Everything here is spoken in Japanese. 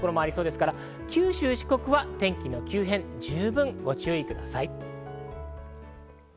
九州・四国は天気の急変に十分、ご注意ください。